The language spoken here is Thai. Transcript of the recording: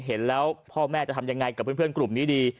เห็นแล้วพ่อแม่จะทำยังไงกับเพื่อนกลุ่มนี้ดี